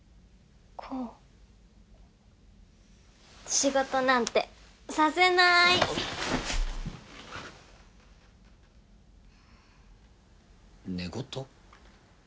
仕事なんてさせない寝言？